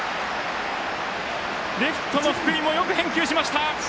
レフトの福井もよく返球しました！